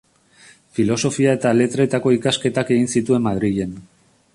Filosofia eta Letretako ikasketak egin zituen Madrilen.